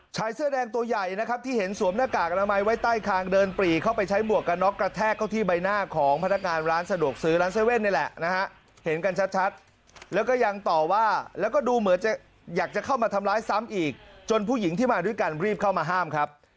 ชายเสื้อแดงตัวใหญ่นะครับที่เห็นสวมหน้ากากอนามัยไว้ใต้คางเดินปรีเข้าไปใช้หมวกกันน็อกกระแทกเข้าที่ใบหน้าของพนักงานร้านสะดวกซื้อร้าน๗๑๑นี่แหละนะฮะเห็นกันชัดแล้วก็ยังต่อว่าแล้วก็ดูเหมือนจะอยากจะเข้ามาทำร้ายซ้ำอีกจนผู้หญิงที่มาด้วยกันรีบเข้ามาห้ามครับ